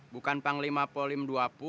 bukan panglima polim dua puluh